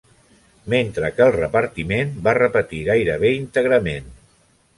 Mentre que el repartiment va repetir gairebé íntegrament.